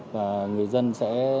và người dân sẽ